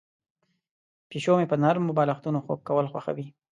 پیشو مې په نرمو بالښتونو خوب کول خوښوي.